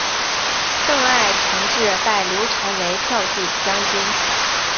邓艾承制拜刘禅为骠骑将军。